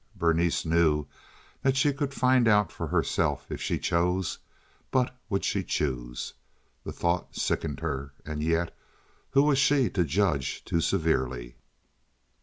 Berenice knew that she could find out for herself if she chose, but would she choose? The thought sickened her, and yet who was she to judge too severely?